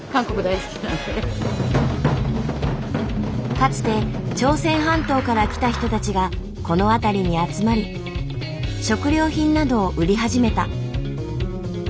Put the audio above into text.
かつて朝鮮半島から来た人たちがこの辺りに集まり食料品などを売り始めた。